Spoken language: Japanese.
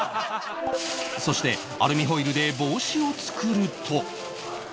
そしてアルミホイルで帽子を作ると